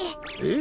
え？